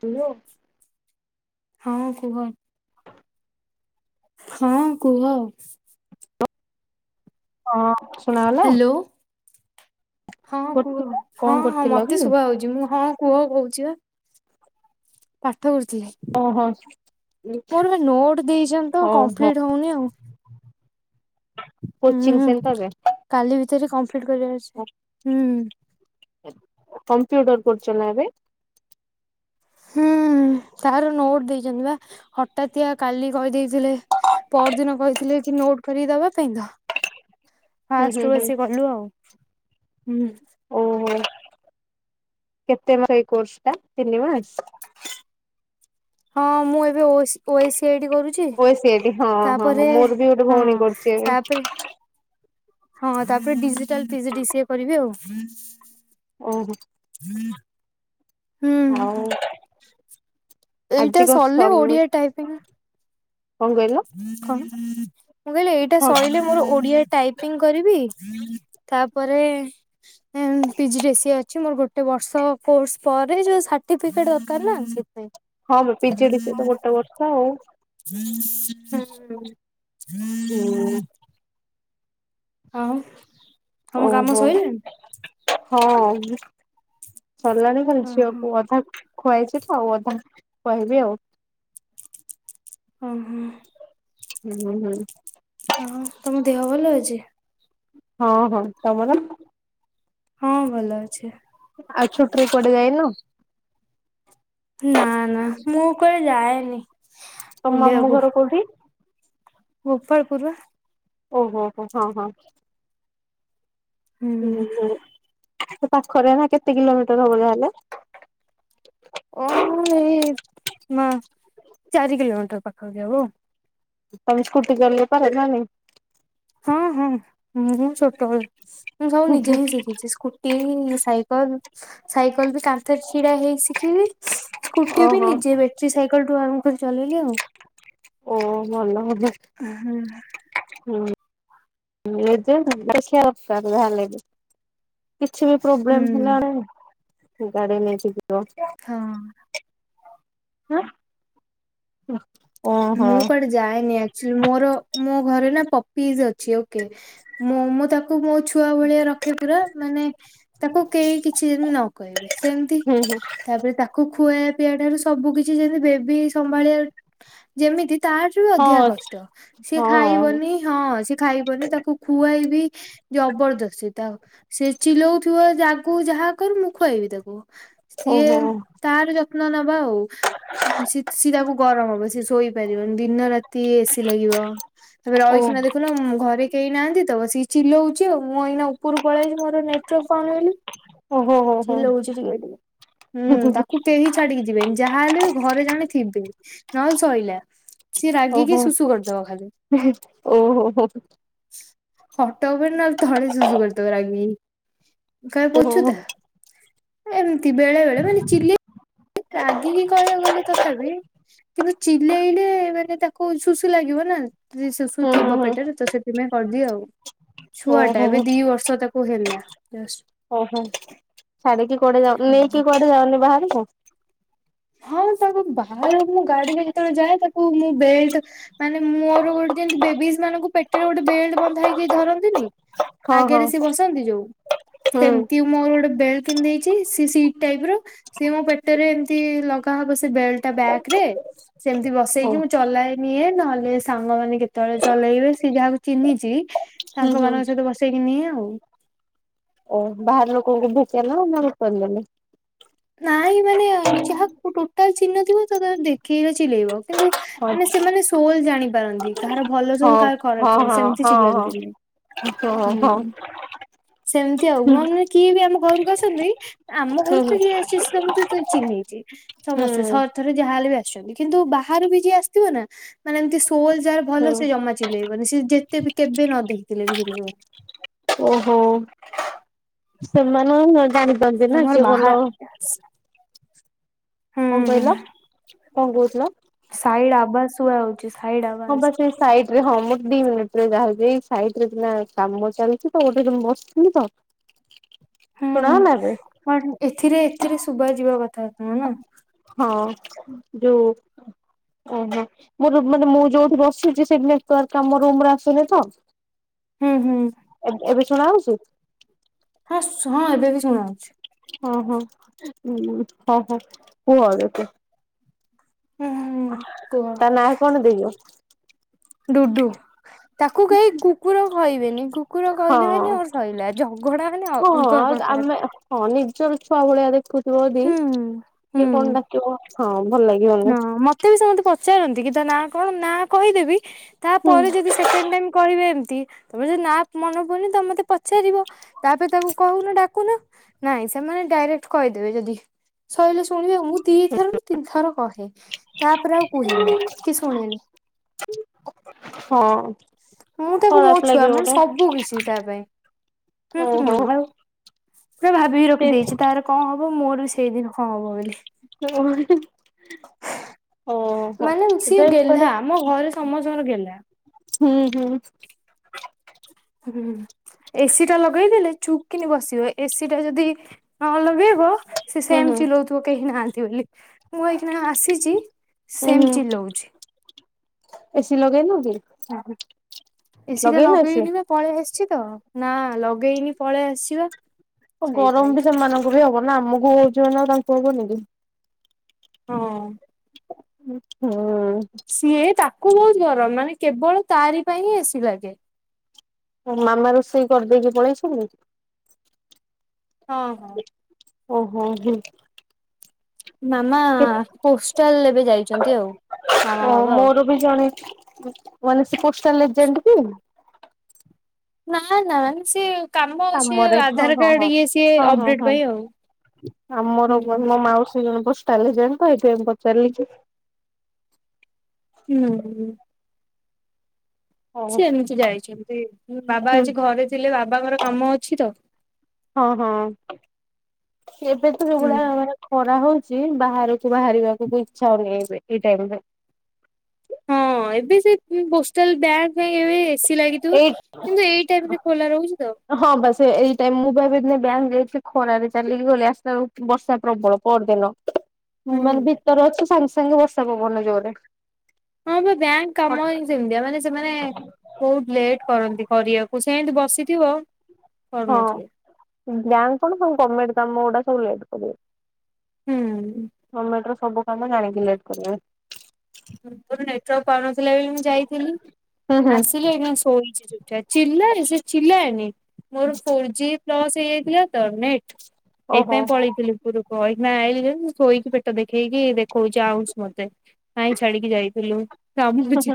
ତୁ ଆଉ। ହଁ କୁହ। ହଁ କୁହ। ହଁ ଶୁଣାଗଲା? ହ୍ୟାଲୋ ହଁ କୁହ ହଁ କଣ ହଁ କରୁଥିଲ ମତେ କି? ଶୁଭ ହଉଛି ମୁଁ ହଁ କୁହ କହୁଛି ବା। ପାଠ ପଢୁଥିଲି ଓହୋ ମୋର ବା ନୋଟ ଦେଇଛନ୍ତି ତ ଓହୋ କମ୍ପ୍ଲିଟ ହଉନି ଆଉ। କୋଚିଂ ହୁଁ ସେଣ୍ଟରରେ କାଲି ଭିତରେ କମ୍ପ୍ଲିଟ କରିବାର ଅଛି ହୁଁ। କମ୍ପ୍ୟୁଟର କରୁଛ ନା ଏବେ? ହୁଁ ତାର ନୋଟ ଦେଇଛନ୍ତି ବା ହଠାତିଆ କାଲି କହିଦେଇ ଥିଲେ ପହରଦିନ କହିଥିଲେ କି ନୋଟ କରି ଦବା ପାଇଁ ତ। ହୁଁ ହୁଁ ଫାଷ୍ଟରୁ ହୁଁ ଆସି ଗଲୁ ଆଉ ହୁଁ। ଓହୋ କେତେ ମାସ ଏଇ କୋର୍ସ ଟା ତିନି ମାସ? ହଁ ମୁଁ ଏବେ ଓସ O S C I T କରୁ ଛି ଓ ସେଇଠି ହଁ ହଁ ତାପରେ ହଁ ମୋର ବି ଗୋଟେ ହଁ ଭଉଣୀ କରୁଛି ଏବେ। ତାପ ହଁ ତାପରେ digital P G D C A କରିବି ଆଉ। ଓହୋ। ଆଉ ହୁଁ। ଏଇଟା ଆଜି କଣ ସରିଲେ ସବମିଟ ଓଡିଆ ଟାଇପିଂ କଣ କହିଲ? ମୁଁ କହିଲି ଏଇଟା ହଁ ସଇଲେ ମୋର ଓଡିଆ ଟାଇପ ପିଂ କରିବି ତାପରେ P G D C A ମୋର ଗୋଟେ ବର୍ଷ କୋର୍ସ ପରେ ଯୋଉ ସାର୍ଟିଫିକେଟ ଦରକାର ନା ସେଥିପାଇଁ। ହଁ ବେ P G D C A course ତ ଗୋଟେ ବର୍ଷ ଆଉ। ହୁଁ ହୁଁ। ହୁଁ। ଆଉ ତମ ଓ କାମ ହୋ। ସଇଲାଣି? ହଁ ସରିଲାଣି ଖାଲି ଓହୋ। ଝିଅକୁୁ ଅଧା ଖୁଆଇଛି ତ ଆଉ ଅଧା ଖୁଆଇବି ଆଉ। ହୁଁ ହୁଁ। ହୁଁ ହୁଁ। ଆଉ ତମ ଦେହ ଭଲ ଅଛି? ହଁ ହଁ ତମର? ହଁ ଭଲ ଅଛି। ଆଉ ଛୁଟିରେ କୁଆଡ଼େ ଯାଇନୁ? ନା ନା ମୁଁ କୁଆଡ଼େ ଯାଏନି ତମ ମାମୁଁ ବୁଲିବାକୁ। ଘର କୋଉଠି? ଗୋପାଳପୁର। ଓହୋ ହୋ ହଁ ହଁ। ହୁଁ ହୁଁ ସେ ପାଖରେ ପା କେତେ କିଲୋମିଟର ହବ ତାହେଲେ? ଓ ହୋ ଏଇ ଚାରି କିଲୋମିଟର ପାଖାପାଖି ହବ। ତମେ ସ୍କୁଟି ଚଲେଇ ପାର ନା ନାଇ? ହଁ ହଁ ମୁଁ ଛୋଟବେଳୁ ମୁଁ ସବୁ ନିଜେ ନିଜେ ଶିଖିଛି ସ୍କୁ ଟି ସାଇକେଲ ସାଇକଲ ବି କା ରେ ଛିଡା ହେଇ ଶିଖିଲି ସ୍କୁଟି ବି ଓହୋ ନିଜେ ବ୍ୟାଟେରୀ ସାଇକେଲ ଠୁ ଆରମ୍ଭ କରି ଚଲେଇଲି ଆଉ। ଓ ଭଲ କଥା ହୁଁ ହୁଁ। [unintelligible] କିଛି ବି ପ୍ରୋବ୍ଲେମ ହେଲା ହୁଁ। ବୋଲେ ଗାଡି ନେଇକି ଯିବ। ହଁ। ଆ ହଁ ମୁଁ କୁଆଡେ ଯାଏନି ଆକ୍ଚୁଆଲି ମୋର ମୋ ଘରେ ନା ପପିଜ୍ ଅଛି। ଓକେ ମୁଁ ମୁଁ ତାକୁ ମୋ ଛୁଆ ଭଳିଆ ରଖେ ପୁରା ମାନେ ତାକୁ କେହି କିଛି ଯେମିତି ନ କହିବେ ସେମିତି। ହୁଁ ତାପରେ ତାକୁ ଖୁଆ ପିଆବା ଠାରୁ ସବୁ କିଛି ଯେମିତି ବେବି ସମ୍ଭାଳିବା ଯେମିତି ତାଠାରୁ ବି ଅଧିକା ହୁଁ କଷ୍ଟ ହଁ ସିଏ ହଁ ଖାଇବନି। ହଁ ସେ ଖାଇବନି ତାକୁ ଖୁଆଇବି। ଜବରଦସ୍ତି ତା ସେ ଚିଲଉଥିବା ଯାହାକୁ ଯାହା କହିବ ମୁଁ ଖୁଆଇବି ତାକୁ। ସିଏ ଓହୋ ତାର ଯତ୍ନ ନବା ଆଉ ସିଏ ତାକୁ ଗରମ ହବ ସିଏ ଶୋଇ ଦିନ ରାତି ଏସି ଲାଗିବ ତାପରେ ଓ ରହିଖିଣା ଦେଖୁନ ଘରେ କେହି ନାହାନ୍ତି ବସିକି ଚିଲଉଛି ଆଉ ମୁଁ ଏଇନା ଉପରକୁ ପଳେଇଛି ମୋର ନେଟୱର୍କ ପାଉନି ବୋଲି। ଓହୋ ହୋ ଚିଲଉଛି ହୁଁ ହୋ ତାକୁ କେହିଁ ଛାଡିକି ଯିବେନି ଯାହାହଲେ ବି ଘରେ ଜଣେ ଥିବେ ନହେଲେ ଶଇଲା। ସିଏ ରାଗିକି ଓହୋ ଶୁଶୁ କରିଦବ ଖାଲି। ଓହୋ ହୋ ଓହୋ ହୁଁ ଖଟ ଉପରେ ନହଲେ ତଳେ ସୁୁସୁ କରିଦବ ରାଗିକି କ ପୋଛୁତା ଏମିତି ବେଳେ ବେଳେ ମାନେ ଚିଲେ ରାଗିକି କହିବାକୁ ଗଲେ ତଥାପି କିନ୍ତୁ ଚିଲେଇଲେ ମାନେ ତାକୁ କୋଉ ଶୁଶୁ ଲାଗିବ ନା ଯ ଶୁଶୁ ଥିବ ପେଟରେ ତ ସେଥିପାଇଁ କରିଦିଅ ଆଉ ହୁଁ ଛୁଆ ଟା ହୁଁ ଓହୋ ଏବେ ଦି ବର୍ଷ ତାକୁ ହେଲା ଜଷ୍ଟ୍ ଓହୋ। ଛାଡିକି କୁଆଡେ ଯାଉ ହଁ। ନେଇକି କୁଆଡେ ଯାଅନି ବାହାରକୁ। ହଁ ତାକୁ ବାହାର ମୁଁ ଗାଡିରେ ଯେତେବେଳେ ଯାଏ ତାକୁ ମୁଁ ବେଲଟ ମାନେ ମୋର ଗୋଟେ ଯେମିତି ବେବି ମାନଙ୍କୁ ପେଟରେ ଗୋଟେ ବେଲ୍ଟ ବନ୍ଧା ହେଇକୁ ଧରନ୍ତିନି। ହଁ ଆଗରେ ସେ ବସନ୍ତି ଯୋଉ ସେମିତି ହଁ। ମୋର ଗୋଟେ ବେଲ୍ଟ କିଣିଦେଇଛି ସିଏ ସିଟ ଟାଇପ ର ସି ମୋ ପେଟରେ ଏମିତି ଲଗାହବ ସେ ବେଲ୍ଟ ବ୍ୟାଗ ରେ ସେମିତି ଓ ବସେଇକି ମୁଁ ଚଲାଏ। ନିଏ ନହେଲେ ସାଙ୍ଗମାନେ କେତେବେଳେ ଚଲେଇବେ ସେ ଯାହାକୁ ଚିହ୍ନିଛି ହୁଁ ହୁଁ ସାଙ୍ଗମାନଙ୍କ ସହିତ ବସି ବସେଇକି ନିଏ ଆଉ ଓଃ ବାହାର ଲୋକଙ୍କୁ ଭେଟନା ନା ଭେଟନ୍ତିନି? ନାଇଁ ମାନେ ଯାହାକୁ ଟୋଟାଲ୍ ଚିହ୍ନି ନଥିବ ତ ତା ଦେଖେଇଲେ ଚିଲେଇବ, କିନ୍ତୁ ହଁ ମାନେ ସେମାନେ ସୋଲ୍ ଜାଣିପାରନ୍ତି। କାହାର ଭଲ ହଁ ଚଲ୍ କାହାର ହଁ ଖରାପ ଚଲ୍ ସେମିତି ହଁ ହଁ ଚିଲାନ୍ତି ନି, ହଁ ହଁ ହୁଁ। ହଁ ସେମତି ଆଉ ମୋ ହୁଁ ମାନେ କିଏ ବି ଆମ ଘରକୁ ଆସନ୍ତିି, ଆମ ହୁଁ ଘରୁ ତ କି ଆସିଛି ସମସ୍ତେ ତ ଚିହ୍ନେଇିଚି ସମସ୍ତେ ହୁଁ ସ ଥରେ ଯାହା ହେଲେବି ଆସିଛନ୍ତି କିନ୍ତୁ ବାହାରୁ ବି ଯିଏ ଆସଥିବ ନା ମାନେ ଏମିତି ସୋଲ୍ ଯାର ହୁଁ ଭଲ ସେ ଜମା ଚିଲେଇବନି, ସିଏ ଯେତେବି କେବେ ନ ଦେଖିଥିଲେ ବି ଚିଲେଇବନି। ଓହୋ, ସେମାନେ ନ ଜାଣି [unintelligible] ନ୍ତି ନା ତମର କିଏ ବାହା ଭଲ। ହୁଁ କଣ କହିଲ, କଣ କହୁଥିଲ? ସାଇଡ଼୍ ଆବାସ୍ ଶୁଭା ଛି ସାଇଡ଼ ଆ ହଁପା ସେ ସାଇଟ୍ ରେ ହଁ ମୋର ଦି ମିନିଟ୍ ରେ ଯାହାହଉଛି ସାଇଟରେ ସିନା କାମ ଚାଲିୁଛି ତ ଗୋଟେ ବସିଥିଲି ତ [inaudible] ଶୁଣ ନେବେ। କଣ ଏଥିରେ ଏଥିରେ ଶୁଭା ଯିବା କଥା ନୁହଁ ନା? ହଁ, ଯୋଉ ଓହୋ, ମୋ ରୁମ୍ ମାନେ ମୁ ଯୋଉଠି ବସିଛି ସେଇଟି ନେଟୱାର୍କ ତମ ରୁମ୍ ରେ ଆସୁନି ତ? ହୁଁ, ହୁଁ। ଏବ୍ ଏବେ ଶୁଣାହଉଛି? [unintelligible] ହଁ ଏବେବି ଶୁଣାହଉଛି। ହଁ ହଁ, [unintelligible] ହୁଁ ହୁଁ କୁହ ତା ନାଁ କଣ ଦେଇଚ? ଡୁଡୁ, ତାକୁ କେହି କୁକୁର ଖାଇବେନି। କୁକୁର ହଁ କହିଲେ ମାନେ ଅର୍ ସଇଲା, ଝଗଡା ମାନେ ଅ ହଁ ଅଲଗା ପ୍ରକାର। ଆମେ ହଁ ନିଜର ଛୁଆ ଭଳିଆ ଦେଖୁ। ଥୁବ ଯଦି, ହୁଁ କିଏ ହୁଁ କଣ ଡାକିବ ହଁ ଭଲ ହଁ ଲାଗିବନି। ମତେ ବି ସମତେ ପଚାରନ୍ତି କି ତା ନା କଣ ନାଁ କହିଦେବି ହୁଁ ତାପରେ ଯଦି ସେକେଣ୍ଡ୍ ଟାଇମ୍ କହିବେ ଏମତି ତାପରେ ଯଦି ନା ମନେ ପଡୁନି ତମେ ମତେ ପଚାରିବ ତାପରେ ତାକୁ କହୁନ ଡାକୁନ। ନାଇଁ ସେମାନେ ଡାଇରେକ୍ଟ କହିଦେବେ ଯଦି, ସଇଲେ ଶୁଣିବ। ମୁଁ ଦିଇଥରରୁ ତିନିଥର କହେ, ତାପରେ ଆଉ କୁହେନି କି ଶୁଣେନି। ହଁ ମୁଁ ତାକୁ ମୋ ଖରାପ ଛୁଆ ଲାଗିବ ମାନେ ଗୋଟେ ସବୁ କିଛି ତା ପାଇଁ। ହୁଁ ଓହୋ ହଉ। ସେ ଭାବିକି ସେ ରଖିଦେଇଛି ତାର କଣ ହବ ମୋର ବି ସେଇଦିନ କଣ ହବ ବୋଲି। [unintelligible] ଓହୋ ମାନେ ସିଏ ସେଥିପାଇଁ ଗେହ୍ଲା ଆମ କୁଆଡ଼େ ଘରେ ସମସ୍ତଙ୍କର ଗେହ୍ଲା ହୁଁ ହୁଁ। ହୁଁ। ଏସିିଟା ଲଗେଇଦେଲେ ଚୁପ୍ କିନି ବସିବ, ଏସିିଟା ଯଦି ନ ଲଗେଇବ ସେ ହୁଁ ସେମିତି ହୁଁ ଚିଲଉଥିବ କେହି ନାହାନ୍ତି ବୋଲି, ମୁଁ ଏହିକିନା ଆସିଛି। ଉଁ ସେମ ହୁଁ, ଚିଲଉଛି। ଏସି ଲଗେଇନୁ କି? [inaudible] ଏସି ଟା ଲଗେଇନ ଏସି ଲଗେଇନି ବା! ପଳେଇ ଆସିଛି ତ! ନା, ଲଗେଇନି ପଳେଇ ଆସିଛି ବା। ଅ ଗରମ ସେଇଥିପାଇଁ ବି କି ସେମାନଙ୍କୁ ବି ହବ ନା, ଆମକୁ ହଉଛି ମାନେ ତାଙ୍କୁ ହବନି କି? ହଁ, ହଁ। ହୁ, ହୁଁ। ସିଏ ତାକୁ ବହୁତ୍ ଗରମ। ମାନେ କେବଳ ତାରି ପାଇଁ ହିଁ ଏ ସି ଲାଗେ। ମାମା ରୋଷେଇ କରିଦେଇକି ପଳେଇଚନ୍ତିି? ହଁ, ହଁ। ଓହୋ, ହୁଁ। ମାମା-ଆ କେତ ପୋଷ୍ଟାଲ୍ ଏବେ ଯାଇଛନ୍ତି ଆଉ। ମାମା ବାବା ଆଉ। ମୋର ବି ଜଣେ, ମାନେ ସେ ପୋଷ୍ଟାଲ୍ ଏଜେଣ୍ଟ କି? ନାଁ, ନାଁ ସେ କାମ ସେ କାମରେ ହଁ ଆଧାର ହଁ ହଁ। କାର୍ଡ ଇଏ‌ ସିଏ ହଁ ଅପ୍ ହଁ ଡେଟ୍ ହଁ ପାଇଁ ଆଉ। ଆମର ହୁଁ। [unintelligible] ମୋ ମାଉସୀ ଜଣେ ପୋଷ୍ଟାଲ୍ ଏଜେଣ୍ଟ ତ ହେଥିପାଇଁ ପଚାରଲି କି ହୁଁ, ହୁଁ। ହଉ ସେ ଏମିତି ଯାଇଚନ୍ତି। ବାବା ହୁଁ ଆଜି ଘରେ ଥିଲେ, ବାବାଙ୍କର କାମ ଅଛି ତ! ହଁ, ହଁ। ଏବେତ୍ ହୁଁ। ଖରା ହଉଚି, ବାହାରକୁ ବାହାରିବାକୁ ବି ଇଚ୍ଛା ହଉନ ଏବେ, ଏଇ ଟାଇମ୍ ରେ। ହଁ। ଏବେ ସେଇ ପୋଷ୍ଟାଲ୍ ବ୍ୟାଙ୍କ୍ ପାଇଁ ଏବେ ଏ ସି ଲାଗିଥିବ, ଏଇ କିନ୍ତୁ ଏଇ ଟାଇମ୍ ରେ ଖୋଲା ରହୁଛି ତ! ହଁ ବା ସେୟା ଏଇ ଟାଇମ୍। ମୁଁ ଭାବେ ନେ ବ୍ୟାଙ୍କ୍ ଯାଇଛି ଖରାରେ ଚାଲିକି ଗଲି ଆସିଲା ବେଳକୁ ବର୍ଷା ପ୍ରବଳ। ପରଦିନ, ହୁଁ। ମାନେ ଭିତରେ ଅଛି ସାଙ୍ଗେ ସାଙ୍ଗେ ବର୍ଷା ପବନ ଜୋର୍ ରେ। ହଁ, ବା ବ୍ୟାଙ୍କ୍ କାମ ଇଁ ସେମିତିଆ, ମାନେ ସେମାନେ ବହୁତ ଲେଟ୍ କରନ୍ତି କରିଆକୁ। ସେଁତି ବସିଥିବ ହଁ, କରୁନଥିବେ। ଜାଣିଶୁଣି ସବୁ ଗମେଣ୍ଟ କାମ ଗୁଡା ସବୁ ଲେଟ୍ କରିବେ। ହୁଁ। ଗମେଣ୍ଟର ସବୁ କାମ ଜାଣିକି ଲେଟ୍ କରିବେ। [unintelligible] ମୋର ନେଟୱାର୍କ ପାଉ ନଥିଲା ବୋଲି ମୁଁ ଯାଇଥିଲି। ହୁଁ ହୁଁ ଆସିଲି ଏଇକ୍ଷୀଣା ଶୋଇଛି ଚୁପଚାପ୍ ଚିଲ୍ଲାଏ ସେ, ଚିଲ୍ଲାଏନି ମୋର ଫୋର୍ ଜି ଲସ୍ ହେଇଯାଇଥିଲା ତ ନେଟ୍, ଓହୋ ହେଇଥିପାଇଁ ପଳେଇଥିଲୁ। [unintelligible] ଆଇଲି ଯେମିତି ଶୋଇକି ପେଟ ଦେଖେଇକି ଦେଖଉଛି ଆଉଁସ ମତେ। କାଇଁ ଛାଡିକି ଯାଇଥିଲୁ? କାମୁଡୁଛି,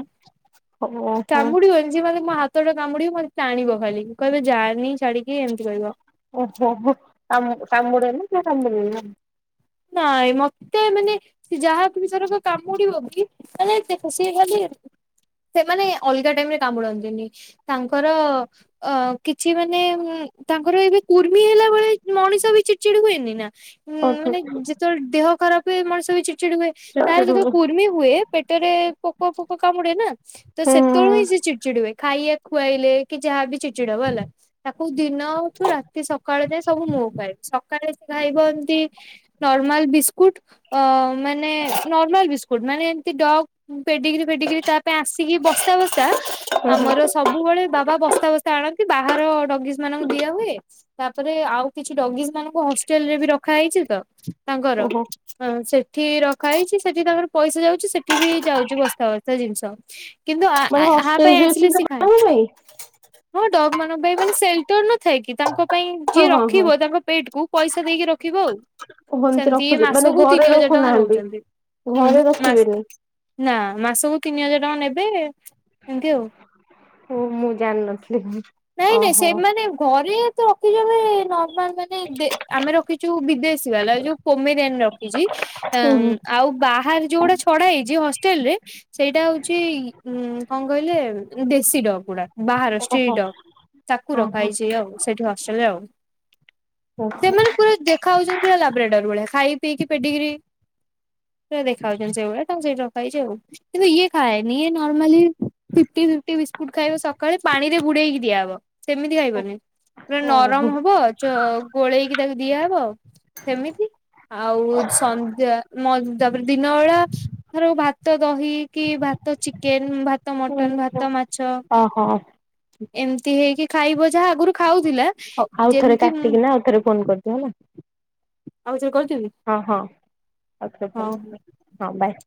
ହୁଁ ହୁଁ କାମୁଡିବ ଜି ମାନେ ମୋ ହାତଟା କାମୁଡିକି ମୋତେ ଟାଣିବ ଖାଲି, କହିବ ଯାଆନି ଛାଡିକି, ଏମିତି କହିବ। ଓହୋ, ହୋ, କାମୁ -କାମୁଡ଼େନି ସିଏ, କାମୁଡ଼ିବେନି ନାଇଁ। ନାଇଁ, ମତେ ମାନେ ସେ ଯାହା ବି ସରକ କାମୁଡିବ କି! ସେମାନେ ସିଏ ଖାଲି ଅଲଗା ଟାଇମ୍ ରେ କାମୁଡନ୍ତିନି। ତାଙ୍କର ଅ କିଛି ମାନେ ଉଁ ତାଙ୍କର ଏବେ କୁର୍ମି ହେଲା ବଳେ ମଣିଷ ବି ଚିଡ଼୍ ଚିଡ୍ ହୁଏନି ନା! ଅଫିସ୍। ଯେତଳ ଦେହ ଖରାପ ହୁଏ, ମଣିଷ ବି ଚିଡ୍ ଚିଡ୍ ହୁଏ, ଚିଡ୍ ତାର ଚିଡ୍ ଯେତେଳେ ହୁଏ କୁର୍ମୀ ହୁଏ, ପେଟରେ ପୋକ ଫୋକ କାମୁଡେ ନା। ତ ହୁଁ ସେତେବେଳୁ ହିଁ ସେ ଚିଡ୍ ଚିଡ୍ ହୁଏ। ଖାଇଆ ଖୁଆଇଲେ କି ଯାହାବି ଚିଡ୍ ଚିଡ୍ ହବ ହେଲା। ତାକୁ ଦିନଉଠୁ ରାତି ସକାଳ ଯାଏ ସବୁ ମୁଁ ଖୁଆଏ। ସ କାଳେ ସେ ଖାଇବ ଏମତି ନର୍ମାଲ୍ ବିସ୍କୁଟ୍ ଅ ମାନେ, ନର୍ମାଲ୍ ବିସ୍କୁଟ୍ ମାନେ ଏମତି ଡଗ୍ ପେଡିଗ୍ରି ଏବେ ଟିକେ ତା ପାଇଁ ଆସିକି ବସ୍ତା ବସ୍ତା ହୁଁ ଆମର ହୁଁ ସବୁବେଳେ ବାବା ବସ୍ତା ବସ୍ତା ଆଣନ୍ତି ବାହାର ଡଗିସ ମାନଙ୍କୁ ଦିଆ ହୁଏ। ତାପରେ ଆଉ କିଛି ଡଗିଜି ମାନଙ୍କୁ ହଷ୍ଟେଲ ରେ ବି ରଖା ହେଇଛି ତ ତାଙ୍କର ଓହୋ ହଁ ସେଠି ରଖା ହେଇଛି ସେଠି ତାଙ୍କର ପଇସା ଯାଉଛି ସେଠି ବି ଯାଉଛି ବସ୍ତା ବସ୍ତା ଜିନିଷ କିନ୍ତୁ ମାନେ ଆ ପାଇଁ ହଷ୍ଟେଲ ବି ଅଛି ଆସିଲେ ସେି ଖାଏ ସେମାନଙ୍କ ପାଇଁ? ହଁ ଡଗ୍ ମାନଙ୍କ ପାଇଁ ମାନେ ସେ ପର ନଥାଏ କି ତାଙ୍କ ପାଇଁ ହଁ ଯିଏ ହଁ ହଁ ରଖିବ ତାଙ୍କ ପେଟ କୁ ପଇସା ଦେଇକି ରଖିବ ଆଉ। [unintelligible] ସେମିତି ଏ ରଖୁଛ ମାନେ ମାସକୁ ଘରେ ତିନି ହଜାର ଟଙ୍କା ରଖୁନାହାନ୍ତି ରଉଛନ୍ତି ହଁ ଘରେ ହୁଁ ମାସ ରଖିବେନି? ନା ମାସକୁ ତିନି ହଜାର ଟଙ୍କା ନେବେ ଏମିତି ଆଉ। ହ ମୁଁ ଜାଣିନଥିଲି। ନାଇଁ ନାଇଁ ଓହୋ ସେମାନେ ଘରେ ତ ରଖିଯିବ ନର୍ମାଲ ମାନେ ନ ଆମେ ରଖିଛୁ ବିଦେଶୀ ବାଲା ଯୋଉ ପୋମେରିଆାନ ରଖିଛି ଓହୋ ଆଉ ବାହାରେ ଯୋଉଗୁଡା ଛଡା ହେଇଛି ହଷ୍ଟେଲ ରେ ସେଇଟା ହଉଛି ଉ କଣ କହିଲେ ଦେଶୀ ଡ ଗୁଡା ବାହାର ସ୍ତ୍ରୀ ଡ ତାକୁ ରଖା ଓହୋ ହେଇଛି ଆଉ ସେଇଠି ହଷ୍ଟେଲରେ ଆଉ ଓହୋ। ସେମାନେ ପୁରା ଦେଖା ହଉ ପୁରା ଲାବୋରେଟରୀ ଭଳିଆ ଖାଇ ପିଇକି ପିଟିକରି ପୁରା ଦେଖା ହାଉଛନ୍ତି ସେଇଭଳିଆ ତାଙ୍କୁ ସେଇଟି ରଖା ହେଇଛି ଆଉ। କୁନ୍ତି ଇଏ ଖାଏନି ନର୍ମାଲ ଫିଟି ଫିଟି ବିସ୍କୁଟ ଖାଇବ ସକାଳେ ପାଣିରେ ବୁଡ଼େଇ କି ଦିଆ ହବ ସେମିତି ଖାଇବନି ପୁରା ଓହୋ ନରମ ହବ ଚୋ ଗୋଳେଇକି ତାକୁ ଦିଆହବ। ସେମିତି ଆଉ ସନ୍ଧ୍ୟା ତାପରେ ଦିନ ବେଳା ର ଭାତ ଦହି କି ଭାତ ଚିକେନ ଭାତ ମଟନ ଭାତ ମାଛ ଓହୋ। ଏମିତି ହେଇକି ଖାଇବ ଯାହା ଆଗରୁ ଖାଉଥିଲା। ହଉ ଆଉ ଥରେ ଯେମିତି ମୁଁ କାଟିକି ନା ଆଉ ଥରେ ଫୋନ କରିଛି ହେଲା। ଆଉ ଥରେ କରିଦେବି। ହଁ ହଁ ଥରେ କର ହଉ। ଭଲ ହଁ ବାଏ।